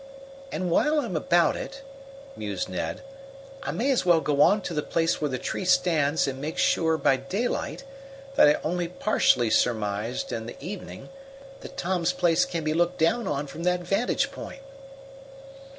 "And while I'm about it," mused Ned, "I may as well go on to the place where the tree stands and make sure, by daylight, what I only partially surmised in the evening that Tom's place can be looked down on from that vantage point."